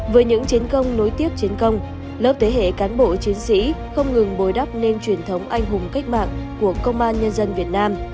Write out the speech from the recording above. với những chiến công nối tiếp chiến công lớp thế hệ cán bộ chiến sĩ không ngừng bồi đắp nên truyền thống anh hùng cách mạng của công an nhân dân việt nam